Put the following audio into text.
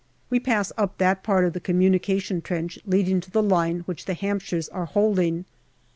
We pass up that part of the communication trench leading to the line which the Hampshires are holding.